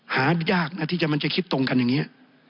หายากนะที่มันจะคิดตรงกันอย่างนี้